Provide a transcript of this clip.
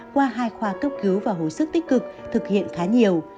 qua hai khoa cấp cứu và hồi sức tích cực thực hiện khá nhiều